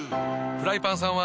フライパンさんは。